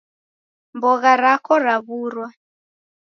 Mbogha rako raw'urwa